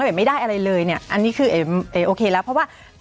ไม่ได้อะไรเลยเนี่ยอันนี้คือเอ๋โอเคแล้วเพราะว่า